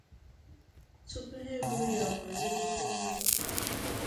tupu ha eburu ya banye n'okporoụzọ